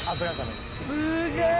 すげえ！